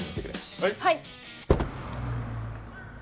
はい。